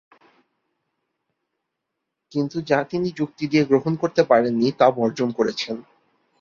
কিন্তু যা তিনি যুক্তি দিয়ে গ্রহণ করতে পারেন নি তা বর্জন করেছেন।